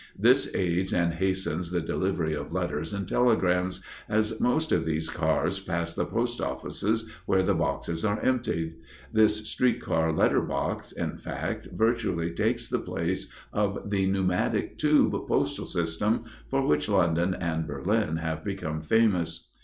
This aids and hastens the delivery of letters and telegrams, as most of these cars pass the post offices, where the boxes are emptied. This street car letter box, in fact, virtually takes the place of the "pneumatic tube" postal system, for which London and Berlin have become famous.